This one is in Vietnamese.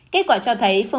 kết quả cho thấy